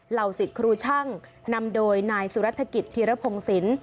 เหล่าสิทธิ์ครูช่างนำโดยนายสุรธกิจธีรพงศิลป์